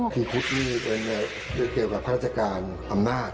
คือคุดนี่เกี่ยวกับพระราชกาลอำนาจ